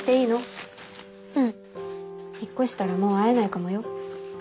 引っ越したらもう会えないかもよ？